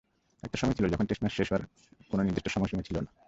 একটা সময় ছিল যখন টেস্ট ম্যাচ শেষ হওয়ার কোনো নির্দিষ্ট সময়সীমা ছিল না।